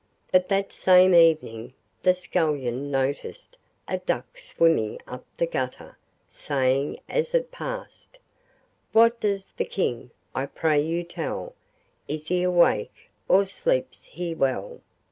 But that same evening the scullion noticed a duck swimming up the gutter, saying as it passed: 'What does the King, I pray you tell, Is he awake or sleeps he well?